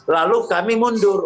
lalu kami mundur